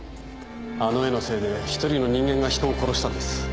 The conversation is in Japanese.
あの絵のせいでひとりの人間が人を殺したんです。